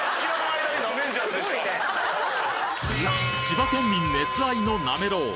千葉県民熱愛の「なめろう」